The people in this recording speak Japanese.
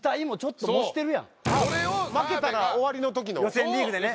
予選リーグでね